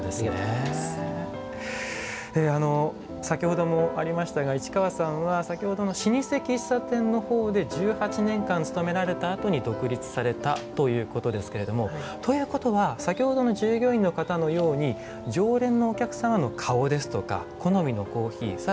先ほどもありましたが市川さんは先ほどの老舗喫茶店の方で１８年間勤められたあとに独立されたということですけれどもということは先ほどの従業員の方のように常連のお客様の顔ですとか好みのコーヒー